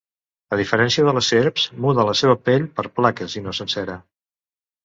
A diferència de les serps, muda la seva pell per plaques i no sencera.